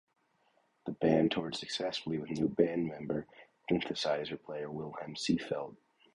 The band toured successfully with new band member, synthesiser player Wilhelm Seefeldt.